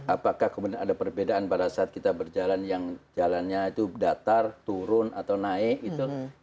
apakah kemudian ada perbedaan pada saat kita berjalan yang jalannya itu datar turun atau naik gitu